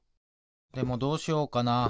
でもどうしようかな。